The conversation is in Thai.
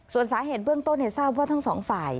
ส่วนสาเหตุเบื้องต้นทราบว่าทั้งสองฝ่าย